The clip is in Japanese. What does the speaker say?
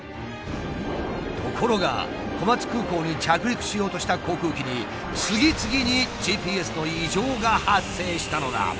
ところが小松空港に着陸しようとした航空機に次々にＧＰＳの異常が発生したのだ。